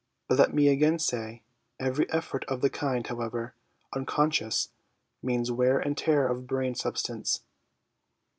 But, let me again say, every effort of the kind, however unconscious, means wear and tear of brain substance.